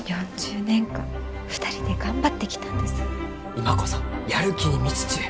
今こそやる気に満ちちゅう！